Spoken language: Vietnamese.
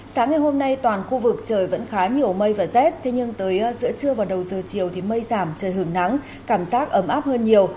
sáng ngày hôm nay toàn khu vực trời vẫn khá nhiều mây và rét thế nhưng tới giữa trưa và đầu giờ chiều thì mây giảm trời hưởng nắng cảm giác ấm áp hơn nhiều